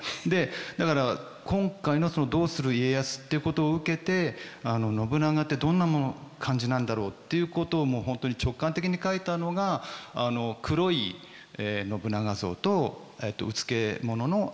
だから今回の「どうする家康」っていうことを受けて信長ってどんな感じなんだろうっていうことをもう本当に直感的に描いたのが黒い信長像とうつけ者の赤い信長像だったんですね。